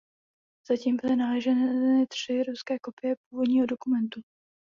Zatím byly nalezeny tři ruské kopie původního dokumentu.